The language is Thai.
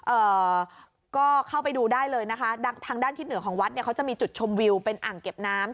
เอ่อก็เข้าไปดูได้เลยนะคะดังทางด้านทิศเหนือของวัดเนี่ยเขาจะมีจุดชมวิวเป็นอ่างเก็บน้ำ